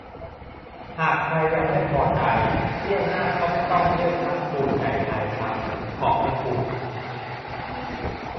"หากใครยังไม่พอใจ เที่ยวหน้าก็ไม่ต้องเลือกพรรคภูมิใจไทยครับ ขอบพระคุณ"